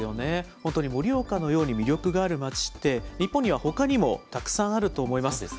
本当に盛岡のように魅力のある街って、日本にはほかにもたくさんあると思います。